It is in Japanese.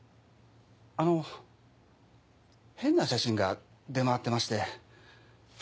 あの変な写真が出回ってまして。